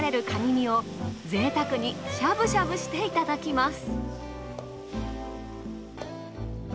身を贅沢にしゃぶしゃぶしていただきます。